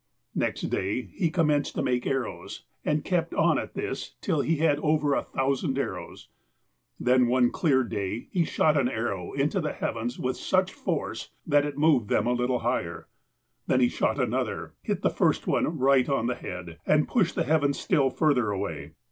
Next day he commenced to make arrows, and kept on at this till he had over a thousand arrows. Then, one clear day, he shot an arrow into the heavens with such force that it moved them a little liigher. Then he shot another, hit the first one right on the head, and pushed the heavens still further away.